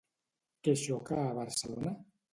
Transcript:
Què xoca a Barcelona?